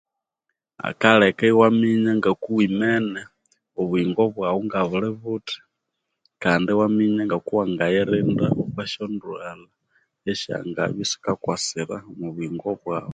Akaleka iwaminya ngakuwimene obuyingo bwaghu ngabulibuthi kandi iwaminya ngakuwangayirinda okwa syandwalha esyangabya isikakwasira omo buyingo bwaghu